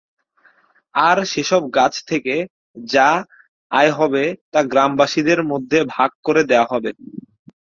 আর সেসব গাছ থেকে যা আয় হবে তা গ্রামবাসীদের মধ্যে ভাগ করে দেয়া হবে।